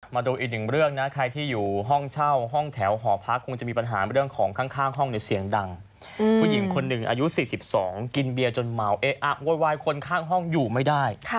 มาดูอีกหนึ่งเรื่องนะใครที่อยู่ห้องเช่าห้องแถวหอพักคงจะมีปัญหาเรื่องของข้างห้องเนี่ยเสียงดังผู้หญิงคนหนึ่งอายุ๔๒กินเบียร์จนเมาเอ๊ะอะโวยวายคนข้างห้องอยู่ไม่ได้